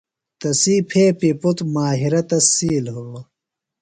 تسی پھیپی پُتر ماہرہ تس سِیل ہِڑوۡ۔